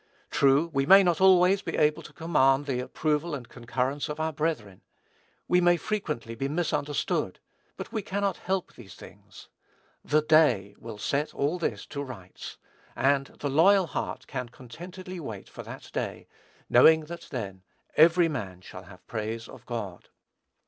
True, we may not always be able to command the approval and concurrence of our brethren; we may frequently be misunderstood; but we cannot help these things. "The day" will set all this to rights, and the loyal heart can contentedly wait for that day, knowing that then "every man shall have praise of God."